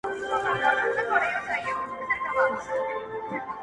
پر دښمن به مو ترخه زندګاني کړه-